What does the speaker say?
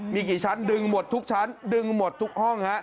มีกี่ชั้นดึงหมดทุกชั้นดึงหมดทุกห้องฮะ